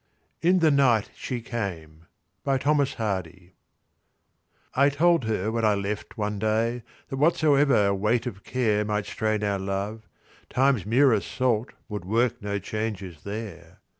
"IN THE NIGHT SHE CAME" I TOLD her when I left one day That whatsoever weight of care Might strain our love, Time's mere assault Would work no changes there.